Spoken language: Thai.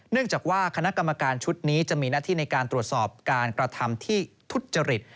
เนื่องจากว่าคณะกรรมการชุดนี้จะมีหน้าที่ในการตรวจสอบการกระทำที่ทุจริต